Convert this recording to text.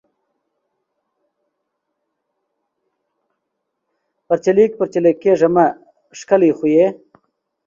پَرچېلک پَرچېلک کېږه مه! ښکلے خوئې کوه۔